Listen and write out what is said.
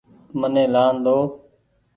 مني لآن ۮئو۔